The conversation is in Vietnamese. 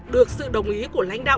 được sự đồng ý của lãnh đạo